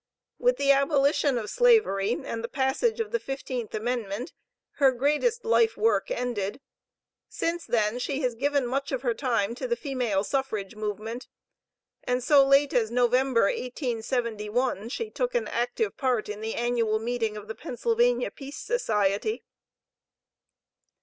With the abolition of Slavery, and the passage of the Fifteenth Amendment, her greatest life work ended. Since then, she has given much of her time to the Female Suffrage movement, and so late as November, 1871, she took an active part in the Annual Meeting of the Pennsylvania Peace Society.